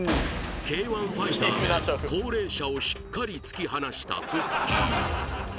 Ｋ−１ファイターで高齢者をしっかり突き放したくっきー！